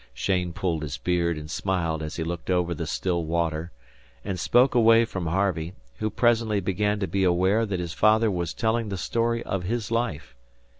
Cheyne pulled his beard and smiled as he looked over the still water, and spoke away from Harvey, who presently began to be aware that his father was telling the story of his life.